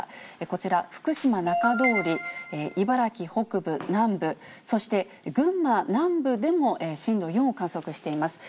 こちら、福島中通り、茨城北部、南部、そして群馬南部でも震度４を観測しています。